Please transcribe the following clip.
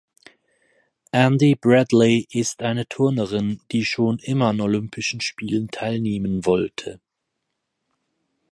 Andie Bradley ist eine Turnerin, die schon immer an Olympischen Spielen teilnehmen wollte.